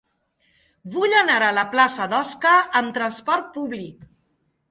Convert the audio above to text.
Vull anar a la plaça d'Osca amb trasport públic.